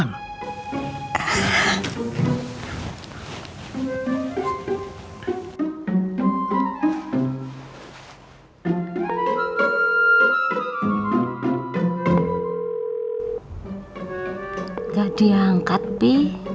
nggak diangkat pi